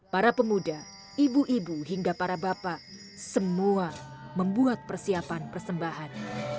para pemuda ibu ibu hingga para bapak semua membuat persiapan persembahan